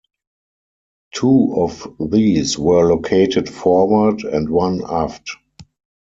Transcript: Two of these were located forward and one aft.